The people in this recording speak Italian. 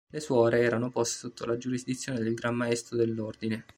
Le suore erano poste sotto la giurisdizione del Gran maestro dell'Ordine.